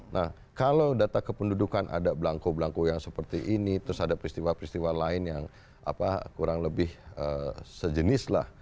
nah kalau data kependudukan ada belangko belangko yang seperti ini terus ada peristiwa peristiwa lain yang kurang lebih sejenis lah